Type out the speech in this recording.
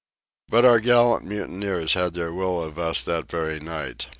But our gallant mutineers had their will of us that very night.